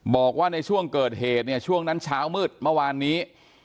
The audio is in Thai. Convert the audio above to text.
บอกว่าในช่วงเกิดเหตุเนี่ยช่วงนั้นเช้ามืดเมื่อวานนี้